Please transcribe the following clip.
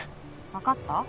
わかった？